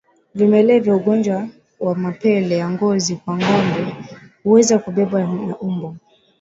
Vimelea vya ugonjwa wa mapele ya ngozi kwa ngombe huweza kubebwa na mbu